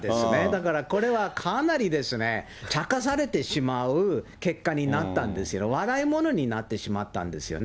だからこれはかなり、茶化されてしまう結果になったんですよ、笑いものになってしまったんですよね。